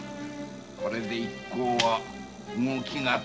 これで一行は動きがとれぬな。